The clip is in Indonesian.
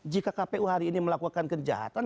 jika kpu hari ini melakukan kejahatan